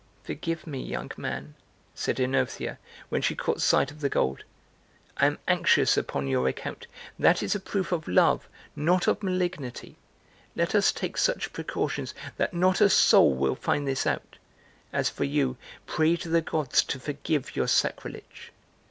"Forgive me, young man," said OEnothea, when she caught sight of the gold, "I am anxious upon your account; that is a proof of love, not of malignity. Let us take such precautions that not a soul will find this out. As for you, pray to the gods to forgive your sacrilege!"